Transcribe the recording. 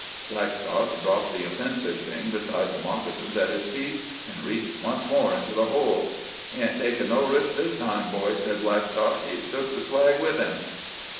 Blackstock dropped the offensive thing beside the moccasins at his feet, and reached once more into the hole. "He ain't takin' no risks this time, boys," said Blackstock. "He's took the swag with him."